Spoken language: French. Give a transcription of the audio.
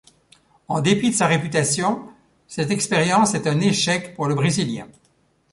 En dépit de sa réputation, cette expérience est un échec pour le Brésilien.